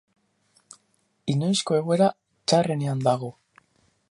Inoizko egoera txarrenean dago.